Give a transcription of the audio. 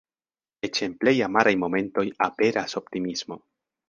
Eĉ en plej amaraj momentoj aperas optimismo.